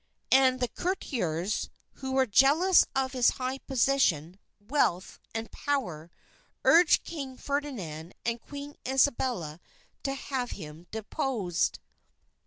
And the courtiers, who were jealous of his high position, wealth, and power, urged King Ferdinand and Queen Isabella to have him deposed.